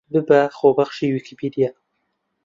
ببە خۆبەخشی ویکیپیدیا